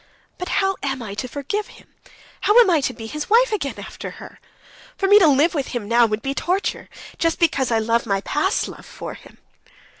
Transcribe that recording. But how am I to forgive him, how am I to be his wife again after her? For me to live with him now would be torture, just because I love my past love for him...."